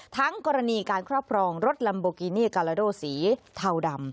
ทั้งกรณีการครอบครองรถลัมโบกินี่กาลาโดสีเทาดำ